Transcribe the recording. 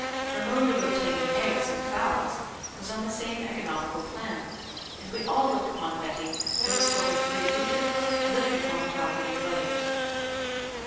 Her mode of obtaining eggs and fowls was on the same economical plan, and we all looked upon Betty as a sort of freebooter, living upon the property of others.